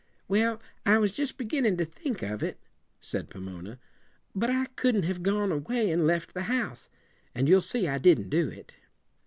"Well, I was just beginning to think of it," said Pomona. "But I couldn't have gone away and left the house. And you'll see I didn't do it."